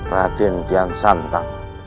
raden kian santang